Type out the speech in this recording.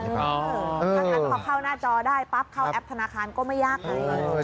ถ้างั้นพอเข้าหน้าจอได้ปั๊บเข้าแอปธนาคารก็ไม่ยากไง